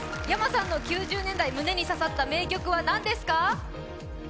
ｙａｍａさんが９０年代、胸に刺さった名曲は何ですか？